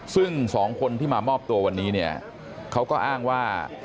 ซึ่งสองคนที่มามอบตัววันนี้เนี่ยเขาก็อ้างว่า